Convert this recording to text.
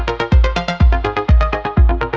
oke sampai jumpa